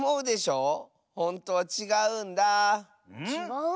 ちがう？